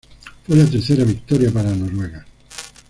Fue la tercera victoria para Noruega.